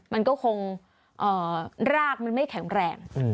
มันก็คงรากมันไม่แข็งแรง